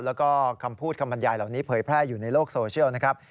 แล้วก็คำพูดคำบรรยายเหล่านี้เผยแพร่อยู่ในโลกโซเชียลนะครับ